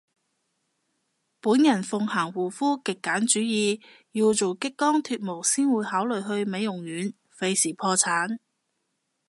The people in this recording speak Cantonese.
本人奉行護膚極簡主義，要做激光脫毛先會考慮去美容院，廢事破產